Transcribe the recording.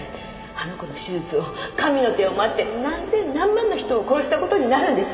あの子の手術を神の手を待っている何千何万の人を殺した事になるんです。